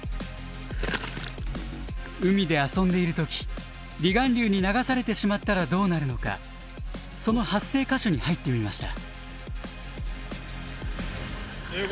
海で遊んでいる時離岸流に流されてしまったらどうなるのかその発生箇所に入ってみました。